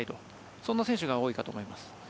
そんな選手が多いかと思います。